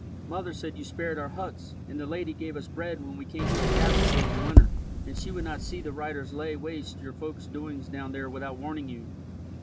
Mother said you spared our huts, and the lady gave us bread when we came to the castle gate in winter, and she would not see the reiters lay waste your folk's doings down there without warning you."